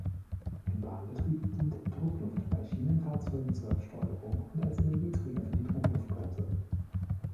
Im Bahnbetrieb dient Druckluft bei Schienenfahrzeugen zur Steuerung und als Energieträger für die Druckluftbremse.